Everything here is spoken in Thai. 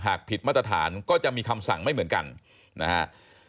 ผิดมาตรฐานก็จะมีคำสั่งไม่เหมือนกันนะฮะ